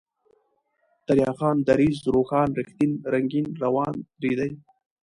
دريا خان ، دريځ ، روښان ، رښتين ، رنگين ، روان ، ريدی